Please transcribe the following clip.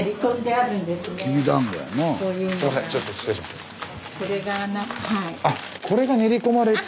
あっこれが練り込まれて。